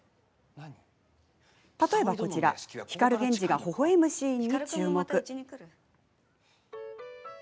例えば、こちら光源氏がほほえむシーンに注目。